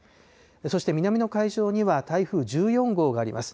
そして南の海上には台風１４号があります。